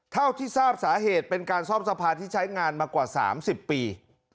เท่าที่ทราบสาเหตุเป็นการซ่อมสะพานที่ใช้งานมากว่า๓๐ปี